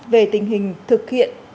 về tình hình thực hiện